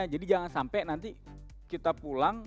jadi jangan sampai nanti kita pulang